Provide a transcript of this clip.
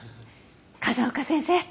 風丘先生